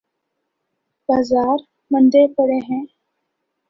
بازار مندے پڑے ہیں۔